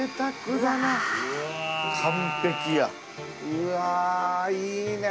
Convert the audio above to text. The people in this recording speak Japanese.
うわいいね。